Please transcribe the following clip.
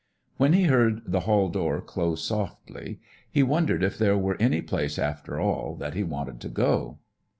When he heard the hall door close softly, he wondered if there were any place, after all, that he wanted to go.